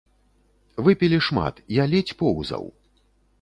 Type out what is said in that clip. Выпілі шмат, я ледзь поўзаў.